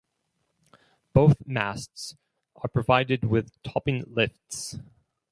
Both masts are provided with topping lifts.